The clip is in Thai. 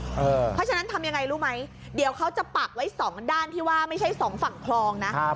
เพราะฉะนั้นทำยังไงรู้ไหมเดี๋ยวเขาจะปักไว้สองด้านที่ว่าไม่ใช่สองฝั่งคลองนะ